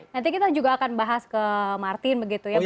nanti kita juga akan bahas ke martin begitu ya